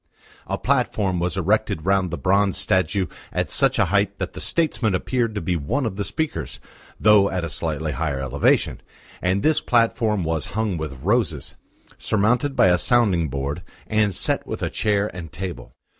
A platform was erected round the bronze statue at such a height that the statesman appeared to be one of the speakers, though at a slightly higher elevation, and this platform was hung with roses, surmounted by a sounding board, and set with a chair and table.